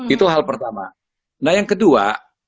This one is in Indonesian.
itu hal pertama nah yang kedua